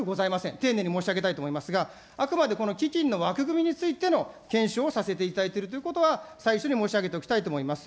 丁寧に申し上げたいと思いますが、あくまでこの基金の枠組みについての検証をさせていただいているということは、最初に申し上げておきたいと思います。